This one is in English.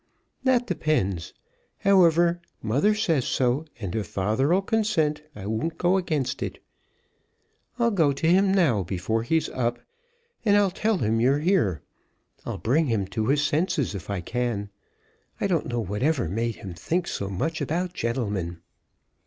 "That depends. However, mother says so, and if father 'll consent, I won't go against it. I'll go to him now, before he's up, and I'll tell him you're here. I'll bring him to his senses if I can. I don't know whatever made him think so much about gentlemen."